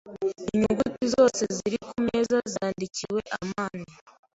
Inyuguti zose ziri kumeza zandikiwe amani.